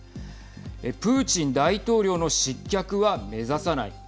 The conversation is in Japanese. プーチン大統領の失脚は目指さない。